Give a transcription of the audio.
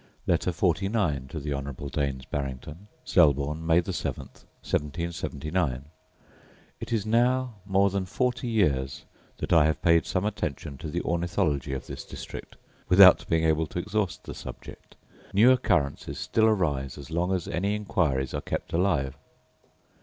Letter XLIX To The Honourable Daines Barrington Selborne, May 7, 1779. It is now more than forty years that I have paid some attention to the ornithology of this district, without being able to exhaust the subject: new occurrences still arise as long as any inquiries are kept alive.